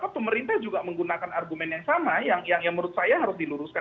pemerintah juga menggunakan argumen yang sama yang menurut saya harus diluruskan